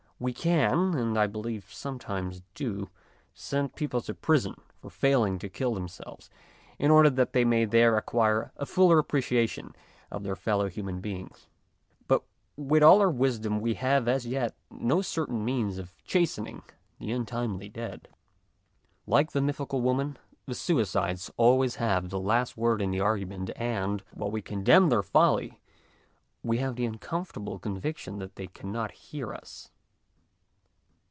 We can, and I believe sometimes do, send people to prison for failing to kill themselves, in order that they may there acquire a fuller appreciation of their fellow SUICIDE AND THE STATE 93 human beings. But with all our wisdom we have, as yet, no certain means of chasten ing the untimely dead. Like the mythical woman, the suicides always have the last word in the argument, and, while we con demn their folly, w r e have the uncomfort able conviction that they cannot hear us.